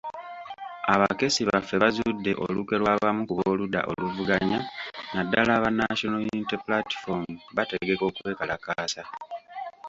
Abakessi baffe bazudde olukwe lw'abamu ku b'oludda oluvuganya naddala aba National Unity Platform, bategeka okwekalakaasa.